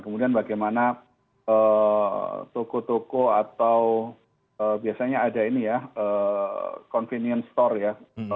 kemudian bagaimana toko toko atau biasanya ada ini ya convenience store ya